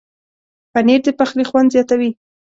پنېر د پخلي خوند زیاتوي.